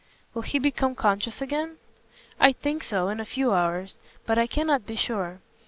"Will he become conscious again?" "I think so, in a few hours, but I cannot be sure.